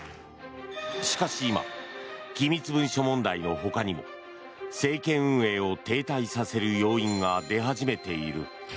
しかし、今機密文書問題の他にも政権運営を停滞させる要因が出始めている。